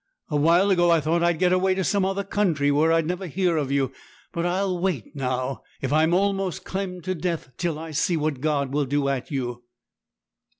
A while ago I thought I'd get away to some other country where I'd never hear of you; but I'll wait now, if I'm almost clemmed to death, till I see what God will do at you.